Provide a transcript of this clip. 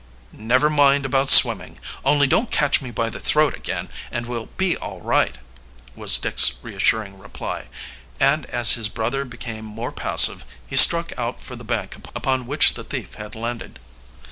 "Never mind about swimming. Only don't catch me by the throat again, and we'll be all right," was Dick's reassuring reply, and as his brother became more passive he struck out for the bank upon which the thief had landed.